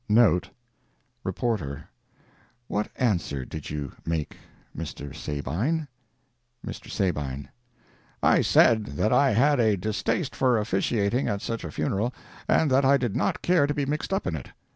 *[* Reporter—What answer did you make, Mr. Sabine? Mr. Sabine—I said that I had a distaste for officiating at such a funeral, and that I did not care to be mixed up in it.